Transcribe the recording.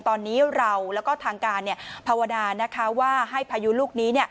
ตอนนี้เราแล้วก็ทางการภาวนาว่าให้พายุลูกนี้